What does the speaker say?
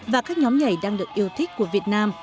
và các nhóm nhảy đang được yêu thích của việt nam